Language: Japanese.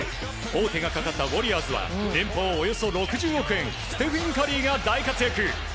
王手がかかったウォリアーズは年俸およそ６０億円ステフィン・カリーが大活躍。